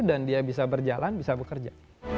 dan dia bisa berjalan bisa bekerja